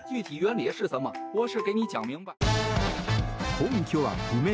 根拠は不明。